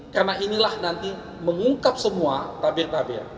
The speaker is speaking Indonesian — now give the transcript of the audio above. karena inilah nanti mengungkap semua tabir tabir